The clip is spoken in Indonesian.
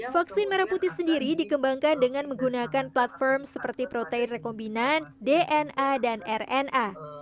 vaksin merah putih sendiri dikembangkan dengan menggunakan platform seperti protein rekombinan dna dan rna